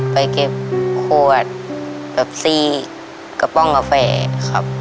ไปเก็บขวดแบบซี่กระป้องกาแฟครับ